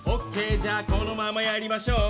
じゃあこのままやりましょう。